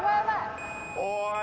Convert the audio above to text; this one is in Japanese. おい。